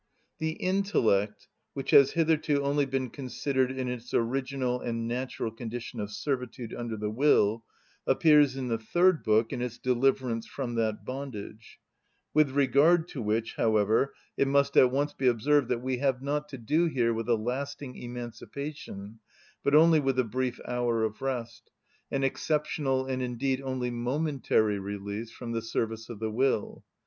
The intellect, which has hitherto only been considered in its original and natural condition of servitude under the will, appears in the third book in its deliverance from that bondage; with regard to which, however, it must at once be observed that we have not to do here with a lasting emancipation, but only with a brief hour of rest, an exceptional and indeed only momentary release from the service of the will.